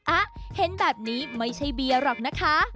อ่ะเห็นแบบนี้ไม่ใช่เบียร์หรอกนะคะ